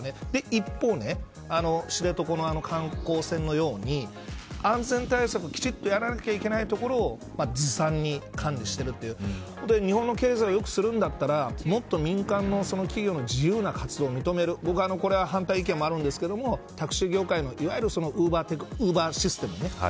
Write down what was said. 一方、知床の観光船のように安全対策をきちっとやらなきゃいけないところをずさんに管理しているという日本の経済を良くするんだったらもっと民間の企業の自由な活動を認めるこれは反対意見もあるんですがタクシー業界のいわゆるウーバーシステムね。